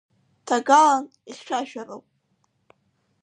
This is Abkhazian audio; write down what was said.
Ҭагалан ихьшәашәароуп.